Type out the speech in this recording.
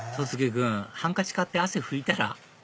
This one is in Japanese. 君ハンカチ買って汗拭いたら？